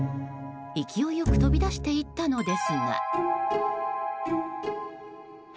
勢いよく飛び出していったのですが。